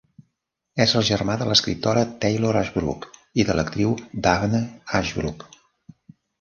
És el germà de l'escriptora Taylor Ashbrook i de l'actriu Daphne Ashbrook.